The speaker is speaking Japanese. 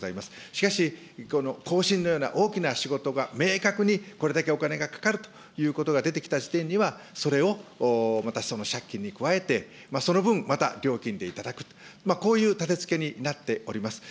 しかし、更新のような大きな仕事が明確にこれだけお金がかかるということが出てきた時点には、それをまたその借金に加えて、その分また料金で頂くと、こういうたてつけになっております。